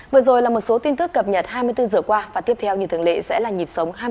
vừa rồi là một số tin tức cập nhật hai mươi bốn giờ qua và tiếp theo như thường lệ sẽ là nhịp sống hai mươi bốn trên bảy